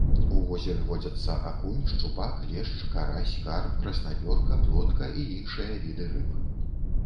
У возеры водзяцца акунь, шчупак, лешч, карась, карп, краснапёрка, плотка і іншыя віды рыб.